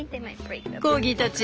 コーギーたち